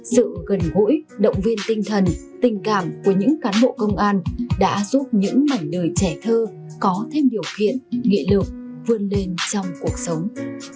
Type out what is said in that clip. sự gần gũi động viên tinh thần tình cảm của những cán bộ công an đã giúp những mảnh đời trẻ thơ có thêm điều kiện nghị lực vươn lên trong cuộc sống